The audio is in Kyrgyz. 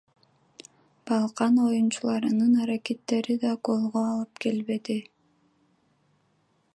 Балкан оюнчуларынын аракеттери да голго алып келбеди.